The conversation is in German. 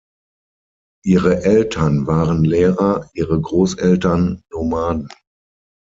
Ihre Eltern waren Lehrer, ihre Großeltern Nomaden.